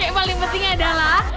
yang paling penting adalah